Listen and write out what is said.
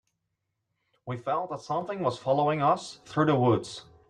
We felt that something was following us through the woods.